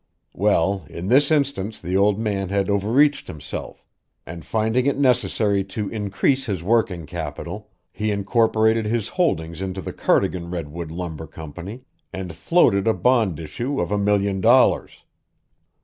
"Well, in this instance the old man had overreached himself, and finding it necessary to increase his working capital, he incorporated his holdings into the Cardigan Redwood Lumber Company and floated a bond issue of a million dollars.